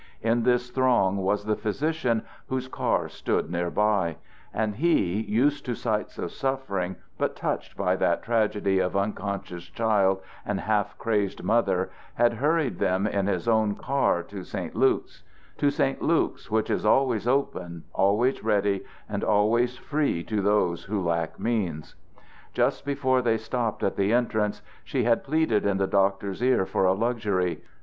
In this throng was the physician whose car stood near by; and he, used to sights of suffering but touched by that tragedy of unconscious child and half crazed mother, had hurried them in his own car to St. Luke's to St. Luke's, which is always open, always ready, and always free to those who lack means. Just before they stopped at the entrance she had pleaded in the doctor's ear for a luxury.